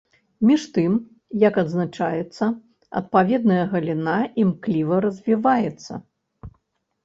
Між тым, як адзначаецца, адпаведная галіна імкліва развіваецца.